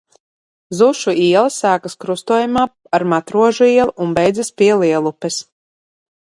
Zušu iela sākas krustojumā ar Matrožu ielu un beidzas pie Lielupes.